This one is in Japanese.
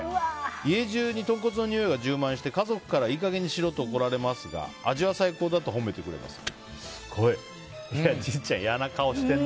家中に豚骨のにおいが充満して家族からいい加減にしろと怒られますが味は最高だと褒めてくれます。